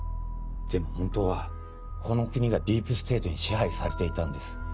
でも本当はこの国がディープステートに支配されていたんです。